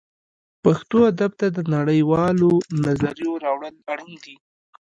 پښتو ادب ته د نړۍ والو نظریو راوړل اړین دي